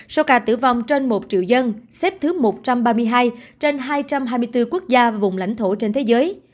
số ca tử vong trên một triệu dân xếp thứ một trăm ba mươi hai trên hai trăm hai mươi bốn quốc gia vùng lãnh thổ trên thế giới